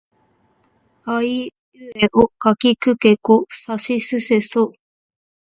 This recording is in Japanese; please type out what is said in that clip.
あいうえおかきくけこさしせそ